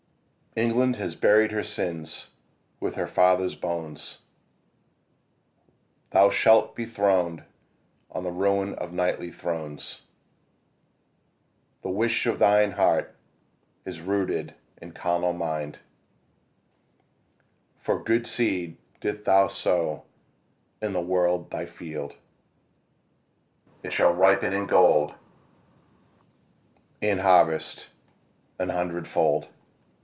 ENGLAND has buried her sins with her fathers' bones. Thou shalt be throned on the ruin of kingly thrones. The wish of thine heart is rooted in carnal mind; For good seed didst thou sow in the world thy field: It shall ripen in gold and harvest an hundredfold.